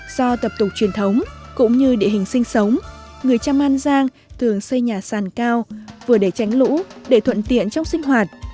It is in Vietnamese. do tập tục truyền thống cũng như địa hình sinh sống người trăm an giang thường xây nhà sàn cao vừa để tránh lũ để thuận tiện trong sinh hoạt